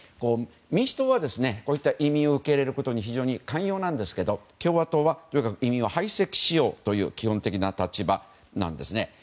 民主党はこういった移民を受け入れることに非常に寛容なんですけど共和党はとにかく移民は排斥しようというのが基本的な立場なんです。